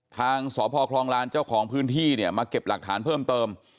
ทางสพคลองลานเจ้าของพื้นที่เนี่ยมาเก็บหลักฐานเพิ่มเติม